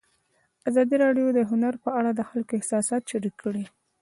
ازادي راډیو د هنر په اړه د خلکو احساسات شریک کړي.